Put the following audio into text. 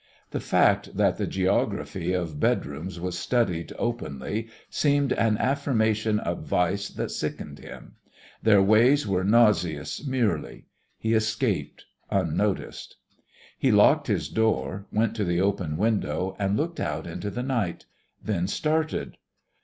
The fact that the geography of bedrooms was studied openly seemed an affirmation of vice that sickened him. Their ways were nauseous merely. He escaped unnoticed. He locked his door, went to the open window, and looked out into the night then started.